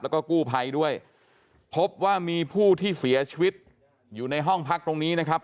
แล้วก็กู้ภัยด้วยพบว่ามีผู้ที่เสียชีวิตอยู่ในห้องพักตรงนี้นะครับ